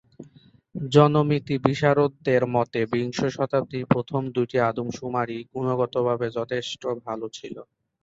জনমিতি বিশারদদের মতে বিংশ শতাব্দীর প্রথম দুইটি আদমশুমারি গুণগতভাবে যথেষ্ট ভালো ছিল।